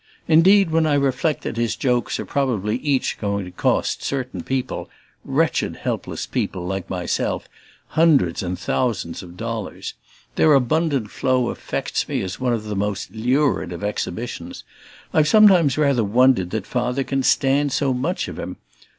Indeed when I reflect that his jokes are probably each going to cost certain people, wretched helpless people like myself, hundreds and thousands of dollars, their abundant flow affects me as one of the most lurid of exhibitions. I've sometimes rather wondered that Father can stand so much of him.